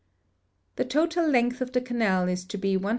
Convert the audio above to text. The total length of the canal is to be 169.